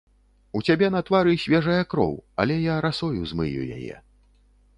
У цябе на твары свежая кроў, але я расою змыю яе.